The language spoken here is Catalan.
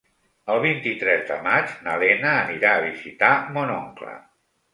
El vint-i-tres de maig na Lena anirà a visitar mon oncle.